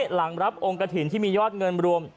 หลังรับองค์กระถิ่นที่มียอดเงินรวม